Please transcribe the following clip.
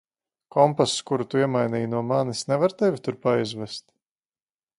Kompass, kuru tu iemainīji no manis, nevar tevi turp aizvest?